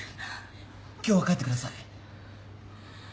今日は帰ってください。